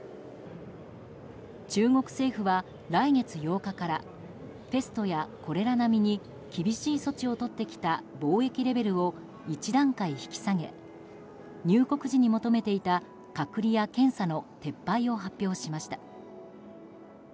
中国政府は来月８日からペストやコレラ並みに厳しい措置をとってきた防疫レベルを１段階引き下げ入国時に求めていた隔離や検査の撤廃を発表しました。